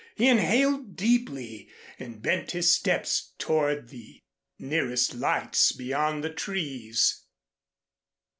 He inhaled deeply and bent his steps toward the nearest lights beyond the trees.